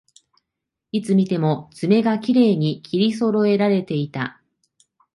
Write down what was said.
いつ見ても爪がきれいに切りそろえられていた